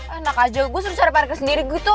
enak aja gue suruh cari pangeran sendiri gitu